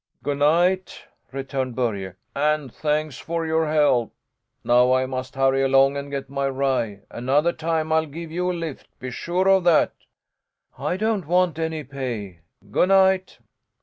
"Go' night," returned Börje, "and thanks to you for the help. Now I must hurry along and get my rye. Another time I'll give you a lift, be sure of that!" "I don't want any pay ... Go' night!"